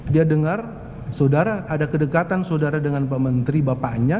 dia dengar saudara ada kedekatan saudara dengan pak menteri bapaknya